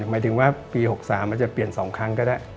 หมายถึงว่าปี๖๓มันจะเปลี่ยน๒ครั้งก็ได้